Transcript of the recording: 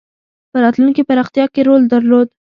په راتلونکې پراختیا کې رول درلود.